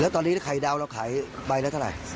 แล้วตอนนี้ไข่ดาวเราขายไปแล้วเท่าไหร่